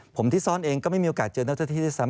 ผมที่ซ่อนเองก็ไม่มีโอกาสเจอเท่าที่ซ้ำ